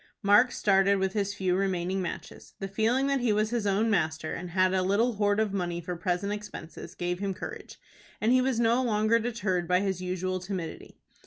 Mark started with his few remaining matches. The feeling that he was his own master, and had a little hoard of money for present expenses, gave him courage, and he was no longer deterred by his usual timidity.